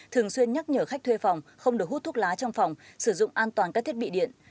thường xuyên nhắc nhở khách thuê phòng không được hút thuốc lá trong phòng sử dụng an toàn các thiết bị điện